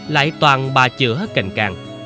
lại toàn bà chữa cành càng